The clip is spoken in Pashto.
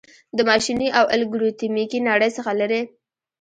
د ماشیني او الګوریتمیکي نړۍ څخه لیري